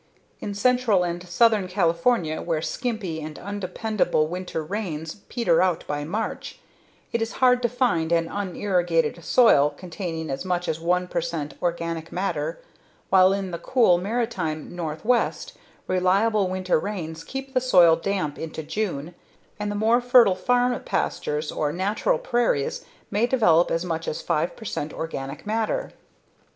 In central and southern California where skimpy and undependable winter rains peter out by March, it is hard to find an unirrigated soil containing as much as 1 percent organic matter while in the cool Maritime northwest, reliable winter rains keep the soil damp into June and the more fertile farm pastures or natural prairies may develop as much as 5 percent organic matter.